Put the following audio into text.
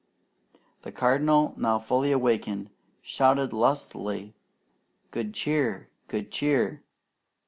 The Cardinal, now fully awakened, shouted lustily, "Good Cheer! Good Cheer!"